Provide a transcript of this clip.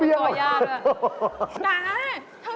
เนี่ยถ้าเป็นต่างจังหวัดอีกแล้วเรา